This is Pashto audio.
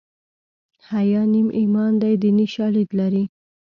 حیا نیم ایمان دی دیني شالید لري